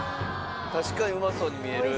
確かにうまそうに見える。